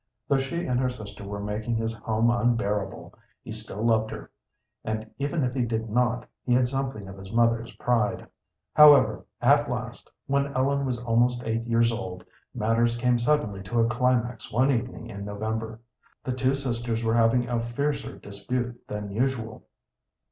Though she and her sister were making his home unbearable, he still loved her, and, even if he did not, he had something of his mother's pride. However, at last, when Ellen was almost eight years old, matters came suddenly to a climax one evening in November. The two sisters were having a fiercer dispute than usual.